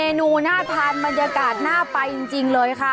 นูน่าทานบรรยากาศน่าไปจริงเลยค่ะ